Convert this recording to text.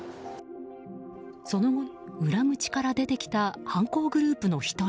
その後、裏口から出てきた犯行グループの１人。